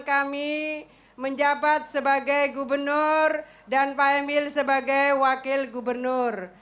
kami menjabat sebagai gubernur dan pak emil sebagai wakil gubernur